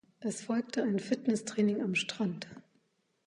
Es folgte ein Fitnesstraining am Strand.